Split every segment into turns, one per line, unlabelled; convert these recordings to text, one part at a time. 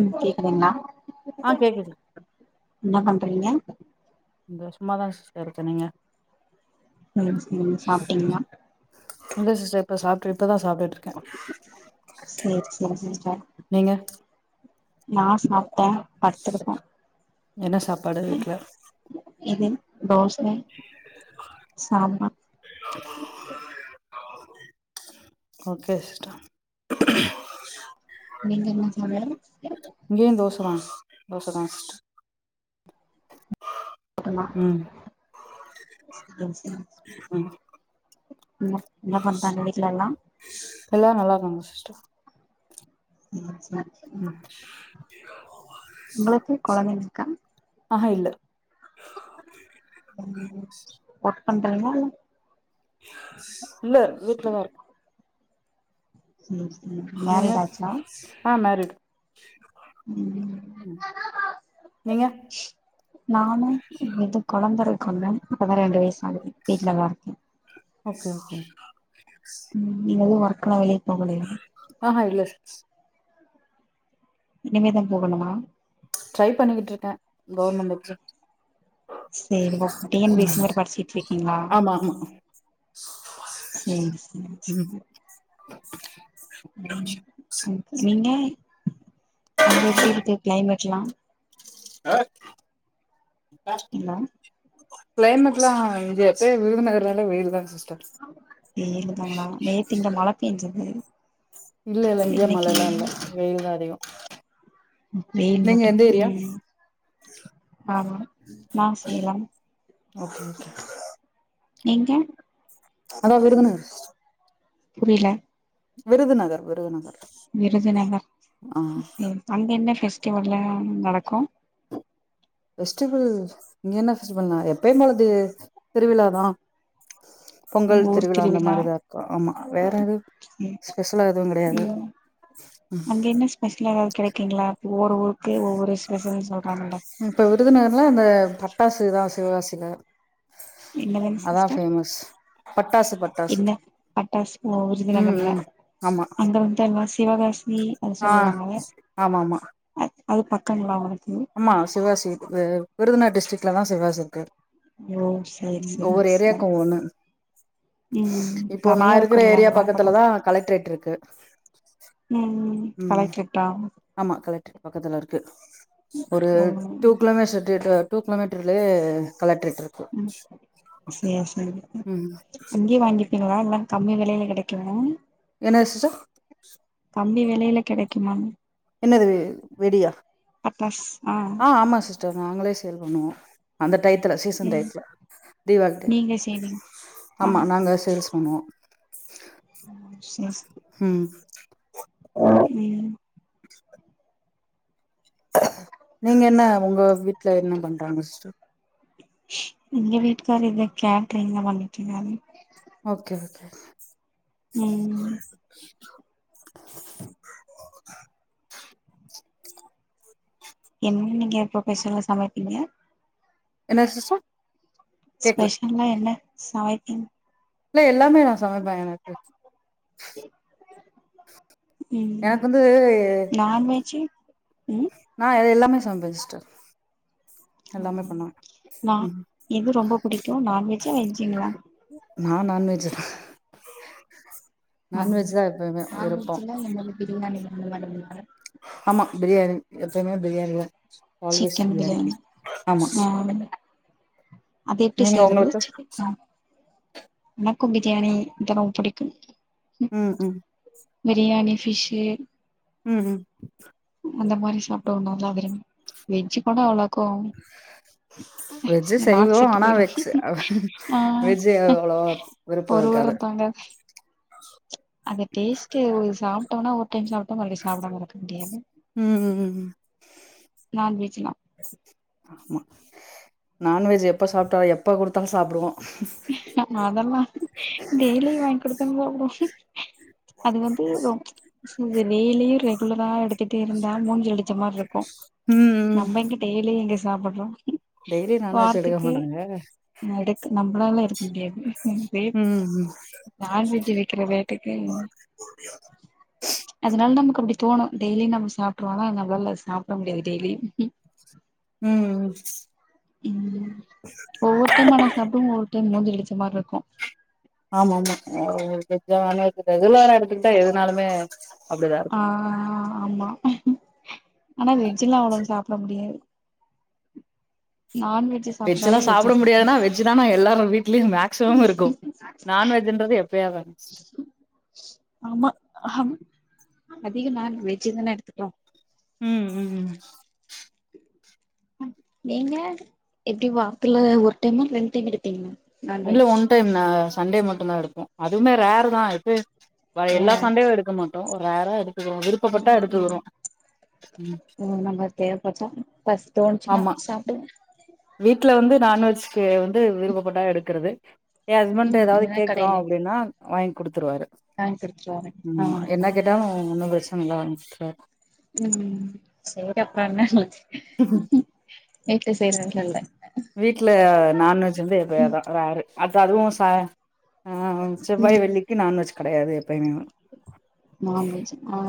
ம் கேக்குதிங்களா
ஆ கேக்குது
என்னா பண்றீங்க
சந்தோஷமா தா சிஸ்டர் இருக்கே நீங்க
ம் சேர் சாப்டிங்ளா
இல்ல சிஸ்டர் இப்ப சாப்ட்டு இப்பதா சாப்டுட்
சேரி சேரி சிஸ்டர்
நீங்க
நா சாப்ட்டே படுத்துருக்கே
என்ன சாப்பாடு வீட்ல
இதின் தோசை சாம்பார்
த [inaudible] ஆ ஓகே சிஸ்டர்
நீங்க என்ன தோழி
இங்கயு தோச தா தோச தா
ஆமா சேரி சேரி
ம்
ம் என்ன பண்றாங்க வீட்லலா
எல்லா நல்லாருக்காங்க
ம் சேரி
ம்
உங்களுக்கு கொழந்தைங்க இருக்கா
ஆஹ இல்ல
ம் ஒர்க் பன்றீங்ளா இல்ல
இல்ல வீட்லதா இருக்கே
ம் ம்
நீங்க ஆ மேரிடு
ம்
நீங்க
நானு இது கொழந்த இருக்கு மேம் இப்பதா ரெண்டு வயசு ஆகுது வீட்ல தா இருக்கே
[unintelligible]
ம் நீங்களு ஒர்க்குலா வெளிய போகலயா
ஆஹா இல்ல சிஸ்
இனிமேதா போகணுமா
ட்ரை பண்ணிக்கிட்ருக்கே கவர்மென்ட் எக்ஸா
சேரி போ டி என் பி சி மாரி படிச்சிட்டு இருக்கீங்களா
ஆமா ஆமா
சேரி சேரி சேரி ம் நீங்க அங்க எப்டி இருக்கு கிளைமேட்ல்லா
ஆ இந்தா
எல்லா
கிளைமேட்லா இங்க எப்பயு விருதுநகர்னாலே வெயிலுதா சிஸ்டர்
இல்லைங்க மாமா நேத்து இங்க மழ பேஞ்சது
இல்ல இல்ல இங்க
இன்னைக்கு
மழல்லா
வெயில்
இல்ல வெயில்தா அதிகோ
வெயில்
நீங்க
மட்டு
எந்த ஏரியா
ம் ஆமா நா செய்யலாம்
ஓகே ஓகே
நீங்க
அதா விருதுநகர் சிஸ்
புரியல
விருதுநகர் விருதுநகர்
விருதுநகர்
ஆ
அங்க என்ன ஃபெஸ்டிவல்லா நடக்கு
ஃபெஸ்டிவல் இங்க என்ன ஃபெஸ்டிவல்னா எப்பயும் போல திருவிழாதா பொங்கல் திருவிழா அந்த மாரிதா இருக்கு ஆமா வேற எதுவு
ம்
ஸ்பெஷலா எதுவு கெடையாது ம்
ஃபர்ஸ்ட்ல எதாவது கெடைக்குங்களா இப்ப ஒவ்வொரு ஊருக்கு ஒவ்வொரு ஸ்பெஷல்னு சொல்றாங்கல்ல
இப்ப விருதுநகர்ல இந்த பட்டாசுதா சிவகாசில
என்னதான
அதா
சிஸ்டர்
ஃபேமஸ் பட்டாசு பட்டாசு
என்ன பட்டாசு ஓ
ம்
விருதுநகர்ல
ம் ஆமா
அங்க வந்து எல்லா சிவகாசி அத
ஆ
சொல்லுவாங்கல்ல
ஆமா ஆமா
அ அது பக்கங்கலா ஒங்களுக்கு
ஆமா சிவாசி விருதுநகர் டிஸ்ட்ரிக்லதா சிவாசி இருக்கு
ஓ சேரி
ம்
சேரிங்க
ஒவ்வொரு
சிஸ்டர்
ஏரியாக்கு ஒவ்வொண்ணு
ம்
இப்ப நா
நெறைய இருக்கு
இருக்குற ஏரியா பக்கத்துலதா கலெக்ட்ரேட் இருக்கு
ம் ம் கலெக்ட்ரேட்டா
ஆமா கலெக்ட்ரேட் பக்கத்துல இருக்கு ஒரு
ஓ
டூ கிலோமீட்டர் டூ கிலோமீட்டர்லயே கலெக்ரேட் இருக்கு
ம் சேரி சேரி
ம்
அங்கயே வாங்கிப்பீங்களா எல்லா கம்மி வெலைல கெடைக்குமா
என்னது சிஸ்டர்
கம்மி வெலைல கெடைக்குமான்னு
என்னது வெடியா ஆ ஆமா சிஸ்டர் நாங்களே சேல் பண்ணுவோ அந்த டயத்துல சீசன்
ம்
டயத்துல தீவாளி டைம்
நீங்க செய்வீங் ஆ
ஆமா நாங்க சேல்ஸ் பண்ணுவோ
ம் சேரி சேரி
ம்
ம்
நீங்க என்ன ஒங்க வீட்ல என்ன பண்றாங்க சிஸ்டர்
எங்க வீட்டுக்காரு இங்க கேட்ரிங்ல வாங்கி விக்கிறாரு
ஓகே ஓகே
ம் என் நீங்க இப்போ பெசலா சமைப்பீங்க
என்ன சிஸ்டர் கேக்கல
ஸ்பெஷல்லா என்ன சமைப்பீங்
இல்ல எல்லாமே நா சமைப்பே எனக்கு
ம்
எனக்கு வந்து
நான்வெஜ்ஜூ
நா எ எல்லாமே சமைப்பே சிஸ்டர் எல்லாமே
ம்
பண்ணுவே
ந
ம்
எது ரொம்ப புடிக்கு நான்வெஜ்ஜா வெஜ்ஜுங்களா
நா நான்வெஜ் தா
ஆ
நான்வெஜ் தா எப்பய்மே விருப்போ
நான்வெஜ்ல என்னது பிரியாணி இந்த மாறில்லா
ஆமா பிரியாணி எப்பயுமே பிரியாணி தா ஆல்வேஸ் பிரியாணி ஆமா
ஆ அது எப்டி
நீங்க உங்கள்க்கு
எனக்கும் பிரியாணி தா ரொம்ப புடிக்கு
ம் ம்
பிரியாணி ஃபிஷ்ஷு
ம் ம்
அந்த மாரி சாப்ட்டோ நல்லா விரும் வெஜ் கூட அவ்ள க்கோம்
வெஜ்ஜு
நாக்கு
செய்வோ
செத்து
ஆனா வெக்ஸ்
போயிரு ஆ
வெஜ்ஜு அவ்வளவா விருப்போ
ஒரு வாரோ
இருக்காது
தாங்க அந்த டேஸ்ட்டு ஒரு சாப்ட்டோன்னா ஒரு டைம் [unintelligible] மறுபடியு சாப்பிடாம இருக்க முடியாது
ம் ம் ம்
நான்வெஜ்னா
ஆமா நான்வெஜ் எப்ப சாப்ட்டா எப்ப கொடுத்தா சாப்புடுவோ
அதெல்லா டெய்லி வாங் கொடுத்தாலு சாப்டுவோ அது வந்து ரொம் சோ அது டெய்லியு ரெகுலரா எடுத்துட்டே இருந்தா மூஞ்சில அடிச்ச மார் இருக்கு
ம் ம்
நம்ப எங்க டெய்லியு இங்க சாப்பற்றோ
டெய்லி நான்வெஜ் எடுக்க மாட்டாங்க
எடுக்க நம்பளால எடுக் முடியாது
ம் ம்
[unintelligible] நான்வெஜ் விக்கிற ரேட்டுக்கு அதனால நமக்கு அப்படி தோணு டெய்லி நம் சாப்ட்ருவோனா என்ன அவ்ளோல்லா சாப்பட முடியாது டெய்லியு
ம்
ம் ஒவ்வொரு டைம் ஆனா சாப்டும் போ ஒரு டைம் மூஞ்சிலடிச்ச மார்ருக்கு
ஆமா ஆமா வெஜ்ஜா நான்வெஜ் ரெகுலரா எடுத்துக்கிட்டா எதுனாலுமே அப்படிதா இருக்
ஆ ஆமா ஆனா வெஜ்ல்லா அவ்வளோ சாப்பட முடியாது நான்வெஜ் சாப்பிடுற
வெஜ்ல்லா
அளவு வெஜ்
சாப்பட
சாப்பிடனு
முடியாதுன்னா வெ ஜ் தான்ன எல்லாரு வீட்லியு மேக்சிமம் இருக்கு நான்வெஜ்ன்றது எப்பயாவது ஒன்ஸ்
ஆமா ஆம் அதிக நாள் வெஜ் தானே எடுத்துக்குறோ
ம் ம் ம்
நீங்க எப்படி வாரத்துல ஒரு டைம்மா ரெண் டைம் எடுப்பீங்களா
இல்ல
நான்வெஜ்
ஒன் டைம் நா சண்டே மட்டு தா எடுப்போ அதுவுமே ரேர் தா இப்ப வ
ஏ
எல்லா சண்டேயு எடுக்க மாட்டோ ஒரு ரேரா எடுத்துக்கிறோ விருப்பப்பட்டா எடுத்துக்குறோ
ம் நம்ம தேவபட்டா பிளஸ் தோணுச்சுனா
ஆமா
சாப்டு
வீட்ல வந்து நான் வெஜ்க்கு வந்து விருப்பபட்டா எடுக்குறது எ ஹஸ்பண்ட்த
ம்
ஏதாவது
இல்லன்னா
கேக்றோ
கடையில
அப்டினா வாங்கி குடுத்துருவாரு
வாங்கி குடிச்சிட்டு வரே
ம் என்ன
ஆமா
கேட்டாலு ஒன்னு பிரச்சன இல்ல வாங்கி குடுத்துருவாரு
ம் சேட்ட பண்ண வீட்ல செய்றது தெர்ல
வீட்டல நான்வெஜ்ஜு வந்து எப்பயாதா ரேரு அது அதுவு ச அ
ம்
செவ்வாய் வெள்ளிக்கு நான்வெஜ் கெடயாது எப்பயுமேவு
நான் வெஜ் ஆ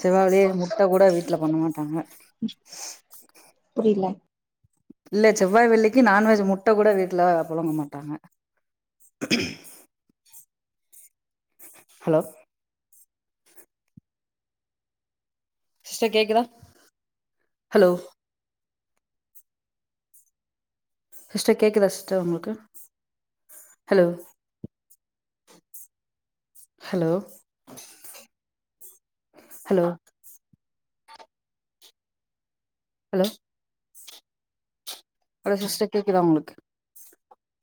செவ்வா வெள்ளி முட்ட கூட வீட்ல பண்ண மாட்டாங்க
புரில
இல்ல செவ்வாய் வெள்ளிக்கி நான்வெஜ் முட்ட கூட வீட்ல பொழங்க மாட்டாங்க ஹலோ சிஸ்டர் கேக்குதா ஹலோ சிஸ்டர் கேக்குதா சிஸ்டர் உங்களுக்கு hello hello hello hello hello sister கேக்குதா உங்களுக்கு